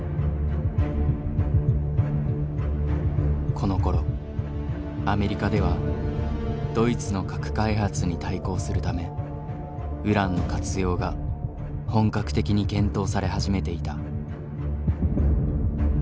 このころアメリカではドイツの核開発に対抗するためウランの活用が本格的に検討され始めていた。